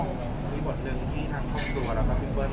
มีบทหนึ่งที่ทางคอมตัวพี่เปิ้ลได้เขียนถึงพี่ตัวด้วย